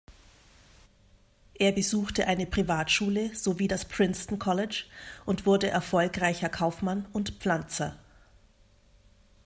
Er besuchte eine Privatschule sowie das Princeton College und wurde erfolgreicher Kaufmann und Pflanzer.